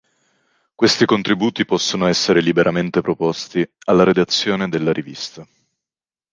Questi contributi possono essere liberamente proposti alla redazione della rivista.